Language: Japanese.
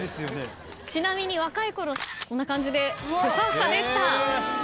ちなみに若いころこんな感じでフサフサでした。